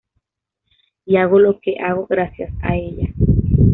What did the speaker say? Y hago lo que hago gracias a ella.